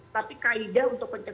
tapi kaida untuk penjagaan